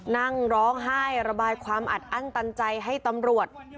นั่งร้องไห้ระบายความอัดอั้นตันใจให้ตำรวจ